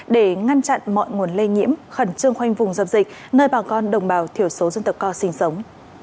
để ngăn chặn mọi nguồn lây nhiễm khẩn trương khoanh vùng dập dịch nơi bà con đồng bào thiểu số dân tộc co sinh sống